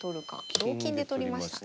同金で取りましたね。